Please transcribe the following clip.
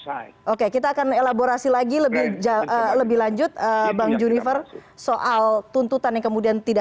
jadi ini kita akan elaborasi lagi lebih lanjut bang juniver soal tuntutan yang kemudian tidak